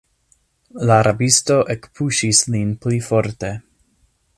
La rabisto ekpuŝis lin pli forte.